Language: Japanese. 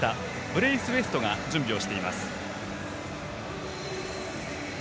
ブレイスウェイトが準備をしています。